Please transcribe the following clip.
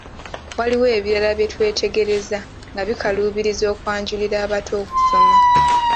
Waliwo ebirala bye twetegereza nga bikaluubiriza okwanjulira abato okusoma.